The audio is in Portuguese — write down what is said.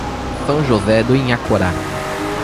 São José do Inhacorá